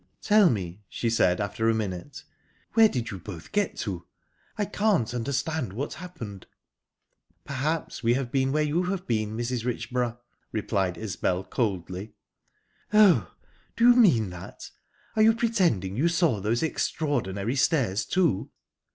"Tell me," she said, after a minute, "where did you both get to? I can't understand what happened." "Perhaps we have been where you have been, Mrs. Richborough," replied Isbel coldly. "Oh!...Do you mean that? Are you pretending you saw those extraordinary stairs, too?"